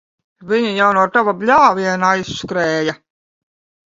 Viņi jau no tava bļāviena aizskrēja.